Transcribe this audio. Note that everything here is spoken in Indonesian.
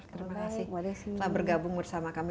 terima kasih telah bergabung bersama kami